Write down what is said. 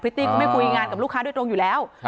ตี้ก็ไม่คุยงานกับลูกค้าโดยตรงอยู่แล้ว